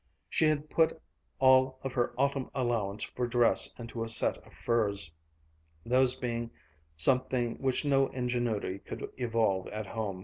She had put all of her autumn allowance for dress into a set of furs, those being something which no ingenuity could evolve at home.